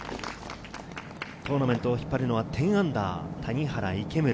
トーナメントを引っ張るのは−１０、谷原、池村。